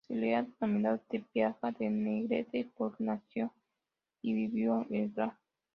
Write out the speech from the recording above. Se le ha denominado "Tepeaca de Negrete" porque nació y vivió el Gral.